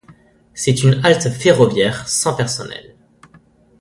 C'est une halte ferroviaire sans personnel.